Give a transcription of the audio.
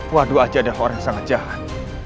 waduh aji adalah orang yang sangat jahat